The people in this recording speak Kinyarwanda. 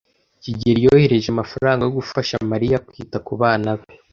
kigeli yohereje amafaranga yo gufasha Mariya kwita kubana be.